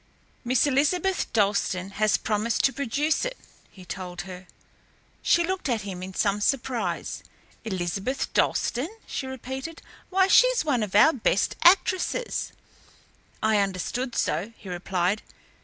"Miss Elizabeth Dalstan has promised to produce it," he told her. She looked at him in some surprise. "Elizabeth Dalstan?" she repeated. "Why, she's one of our best actresses." "I understood so," he replied.